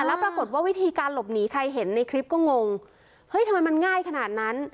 แล้วปรากฏว่าวิธีการหลบหนีใครเห็นในคลิปก็งงเฮ้ยทำไมมันง่ายขนาดนั้น